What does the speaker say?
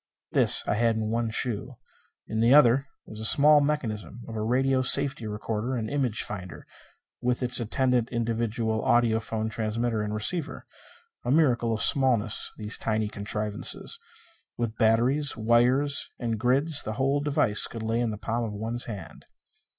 This I had in one shoe. In the other, was the small mechanism of a radio safety recorder and image finder, with its attendant individual audiophone transmitter and receiver. A miracle of smallness, these tiny contrivances. With batteries, wires and grids, the whole device could lay in the palm of one's hand.